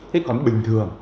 thế còn bình thường